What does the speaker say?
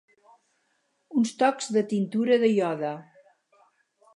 Uns tocs de tintura de iode.